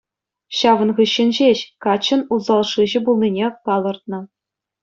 Ҫавӑн хыҫҫӑн ҫеҫ каччӑн усал шыҫӑ пулнине палӑртнӑ.